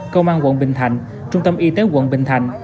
công an quận bình thạnh trung tâm y tế quận bình thạnh